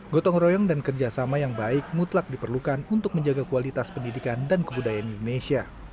gotong royong dan kerjasama yang baik mutlak diperlukan untuk menjaga kualitas pendidikan dan kebudayaan indonesia